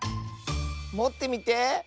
もってみて。